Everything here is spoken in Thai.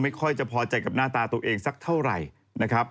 ค่อยจะพอใจกับหน้าตาตัวเองสักเท่าไหร่นะครับ